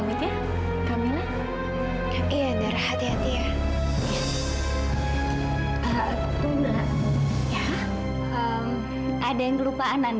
nanti saya akan beri itu untuk bantuin